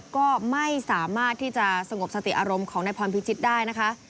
ก็ไม่สามารถที่จะสงบสติอารมณ์ของนายพรพิจิตรได้นะคะ